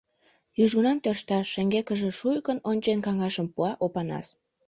Южгунам тӧршта, — шеҥгекыже шуйыкын ончен, каҥашым пуа Опанас.